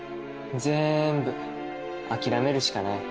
ぜんぶ諦めるしかない。